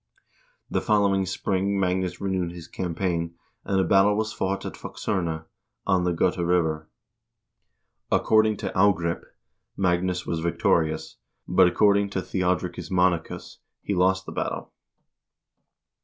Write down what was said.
The following spring Magnus renewed his campaign, and a battle was fought at Fuxerna, on the Gota River. According to "Agrip," Magnus was victorious, but according to Theodricus Monachus he lost the battle.